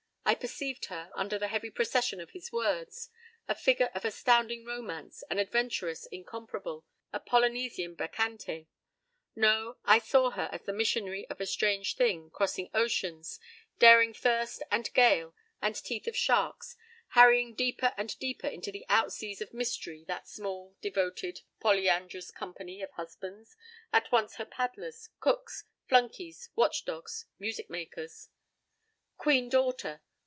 I perceived her, under the heavy procession of his words, a figure of astounding romance, an adventuress incomparable, a Polynesian bacchante. No, I saw her as the missionary of a strange thing, crossing oceans, daring thirst and gale and teeth of sharks, harryingdeeper and deeper into the outseas of mystery that small, devoted, polyandrous company of husbands, at once her paddlers, cooks, flunkies, watchdogs, music makers. "Queen Daughter!"